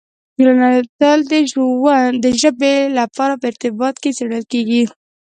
ټولنه تل د ژبې سره په ارتباط کې څېړل کېږي.